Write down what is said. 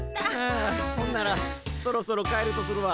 あほんならそろそろ帰るとするわ。